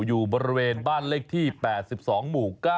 อยู่บริเวณบ้านเลขที่๘๒หมู่๙